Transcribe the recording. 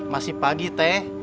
masih pagi teh